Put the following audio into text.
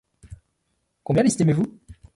Combien l’estimez-vous